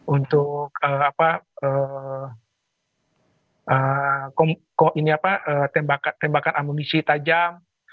untuk tembakan amunisi tajam